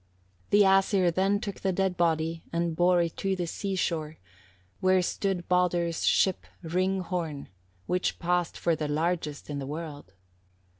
59. "The Æsir then took the dead body and bore it to the seashore, where stood Baldur's ship Hringhorn, which passed for the largest in the world.